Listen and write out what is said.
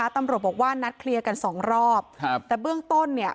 ตำรวจบอกว่านัดเคลียร์กันสองรอบครับแต่เบื้องต้นเนี่ย